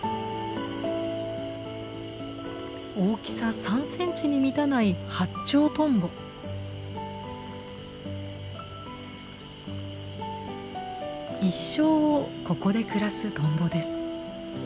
大きさ３センチに満たない一生をここで暮らすトンボです。